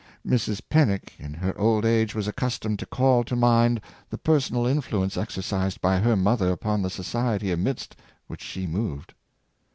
Mrs. Pennick, in her old age, was accustomed to call to mind the per sonal influence exercised by her mother upon the society amidst which she moved.